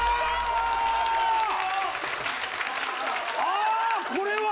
ああこれは！